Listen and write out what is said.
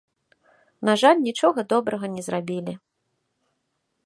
На жаль, нічога добрага не зрабілі.